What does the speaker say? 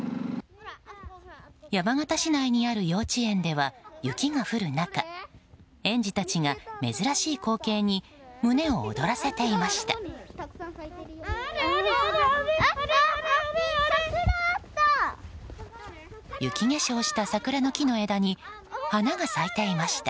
山形市内にある幼稚園では雪が降る中園児たちが、珍しい光景に胸を躍らせていました。